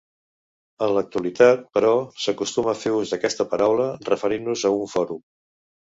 En l'actualitat, però, s'acostuma a fer ús d'aquesta paraula referint-nos a un fòrum.